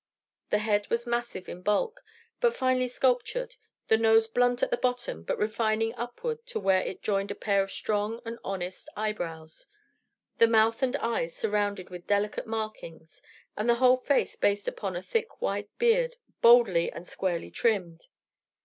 The head was massive in bulk, but finely sculptured; the nose blunt at the bottom but refining upward to where it joined a pair of strong and honest eyebrows; the mouth and eyes surrounded with delicate markings, and the whole face based upon a thick white beard, boldly and squarely trimmed.